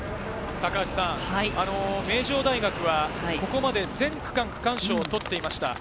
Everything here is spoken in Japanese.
名城大学はここまで全区間区間賞をとっていました。